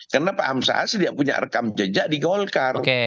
karena pak hamsahas dia punya rekam jejak di golkar